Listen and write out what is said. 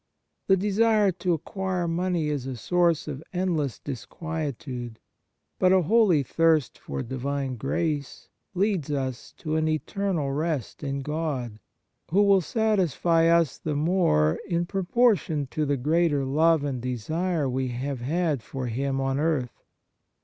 The desire to acquire money is a source of endless disquietude, but a holy thirst for Divine grace leads us to an eternal rest in God, who will satisfy us the more in proportion to the greater love and desire we have had for Him on earth.